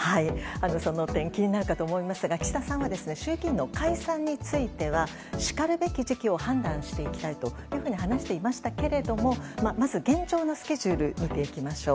その点気になるかと思いますが岸田さんは衆議院の解散についてはしかるべき時期を判断していきたいと話していましたがまず現状のスケジュールを見ていきましょう。